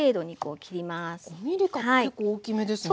５ｍｍ角結構大きめですね。